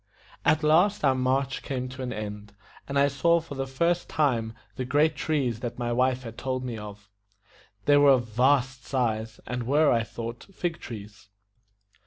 At last our march came to an end, and I saw for the first time the great trees that my wife had told me of. They were of vast size, and were, I thought, fig trees.